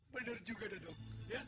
benar juga dadong